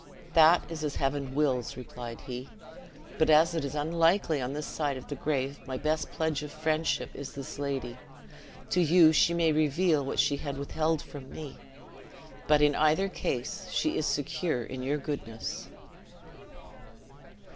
"That is as Heaven wills," replied he; "but as it is unlikely on this side the grave, my best pledge of friendship is this lady. To you she may reveal what she had withheld from me; but in either case, she is secure in your goodness."